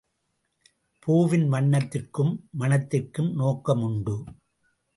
பூவின் வண்ணத்திற்கும் மணத்திற்கும் நோக்கம் உண்டு.